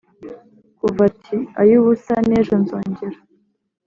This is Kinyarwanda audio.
kuva ati « ay'ubusa n'ejo nzongera ».